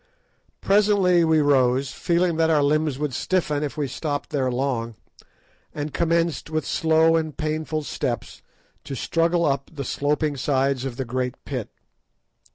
Presently we rose, fearing that our limbs would stiffen if we stopped there longer, and commenced with slow and painful steps to struggle up the sloping sides of the great pit.